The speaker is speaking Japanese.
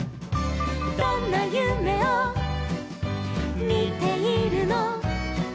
「どんなゆめをみているの」